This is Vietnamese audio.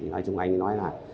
nói chung là anh ấy nói là